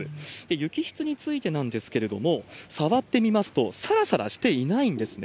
雪質についてなんですけれども、触ってみますと、さらさらしていないんですね。